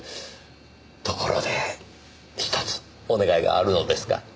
ところでひとつお願いがあるのですが。